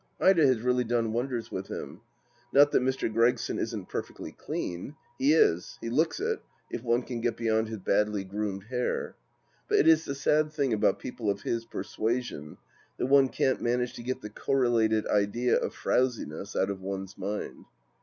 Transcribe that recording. Ida has really done wonders with him. Not that Mr. Gregson isn't perfectly clean. He is ; he looks it, if one can get beyond his badly groomed hah". But it is the sad thing about people of his persuasion, that one can't manage to get the correlated idea of frowsi ness out of one's mind.